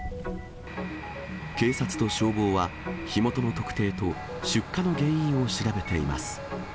警察と消防は、火元の特定と出火の原因を調べています。